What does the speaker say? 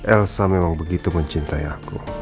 elsa memang begitu mencintai aku